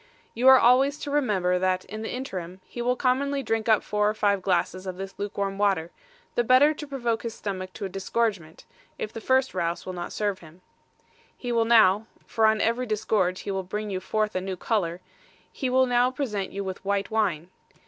You are always to remember, that in the interim, he will commonly drink up four or five glasses of the luke warm water, the better to provoke his stomach to a disgorgement, if the first rouse will not serve turn. He will now (for on every disgorge he will bring you forth a new colour), he will now present you with white wine.